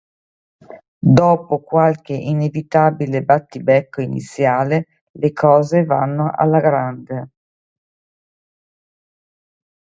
Dopo qualche inevitabile battibecco iniziale, le cose vanno alla grande.